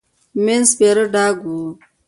مينځ سپيره ډاګ و.